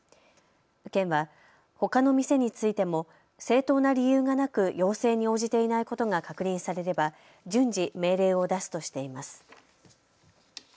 県は、ほかの店についても正当な理由がなく要請に応じていないことが確認されれば順次、命令を出すとしています。